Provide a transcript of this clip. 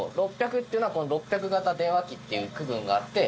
６００っていうのはこの６００型電話機っていう区分があって。